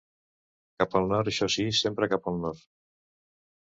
Cap al nord, això sí, sempre cap al nord.